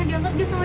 cepat ya mbak